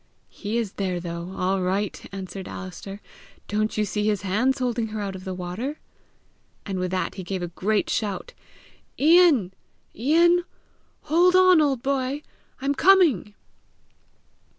"He is there though, all right!" answered Alister. "Don't you see his hands holding her out of the water?" And with that he gave a great shout: "Ian! Ian! hold on, old boy! I'm coming!"